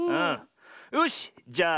よしじゃあ